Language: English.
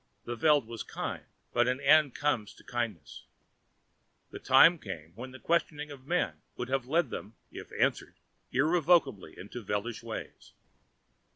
The Veld was kindly, but an end comes to kindness. The time came when the questioning of men would have led them, if answered, irrevocably into Veldish ways.